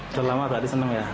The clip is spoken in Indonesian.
selama berarti senang ya